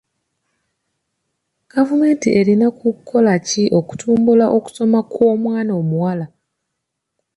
Gavumenti erina kukola ki okutumbula okusoma kw'omwana omuwala?